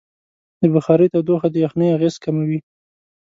د بخارۍ تودوخه د یخنۍ اغېز کموي.